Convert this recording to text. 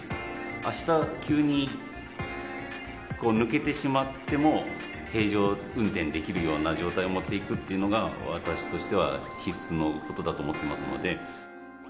あした急に抜けてしまっても、平常運転できるような状態に持っていくというのが、私としては必須のことだと思っていますので。